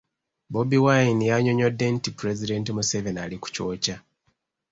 Bobi Wine yannyonnyodde nti Pulezidenti Museveni ali ku kyokya